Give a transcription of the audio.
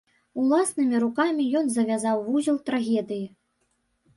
Уласнымі рукамі ён завязаў вузел трагедыі.